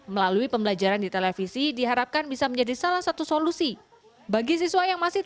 melalui pembelajaran di televisi diharapkan bisa menjadi salah satu solusi bagi siswa yang masih